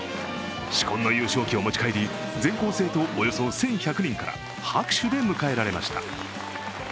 紫紺の優勝旗を持ち帰り全校生徒およそ１１００人から拍手で迎えられました。